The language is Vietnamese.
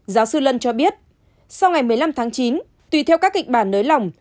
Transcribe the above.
giáo sư lân cho biết sau ngày một mươi năm tháng chín tùy theo các kịch bản nới lỏng